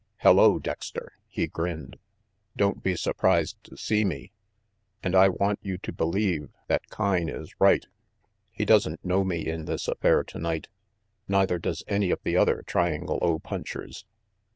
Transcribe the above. "Hello, Dexter," he grinned. "Don't be surprised to see me. And I want you to believe that Kyne.'.is right. He doesn't know me in this affair tonight. Neither does any of the other Triangle O punchers.